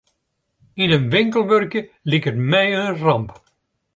Yn in winkel wurkje liket my in ramp.